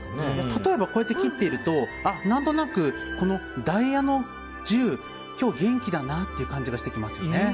例えばこうやって切っていると何となくダイヤの１０今日、元気だなっていう感じがしてきますね。